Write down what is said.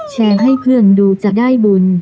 ให้เพื่อนดูจะได้บุญ